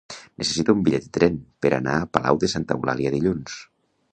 Necessito un bitllet de tren per anar a Palau de Santa Eulàlia dilluns.